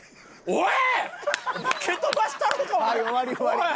おい！